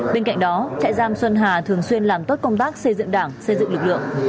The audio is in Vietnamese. bên cạnh đó trại giam xuân hà thường xuyên làm tốt công tác xây dựng đảng xây dựng lực lượng